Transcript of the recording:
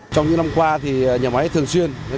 trong những năm qua thì nhà máy thường xuyên